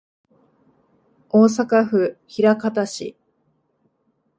大阪府枚方市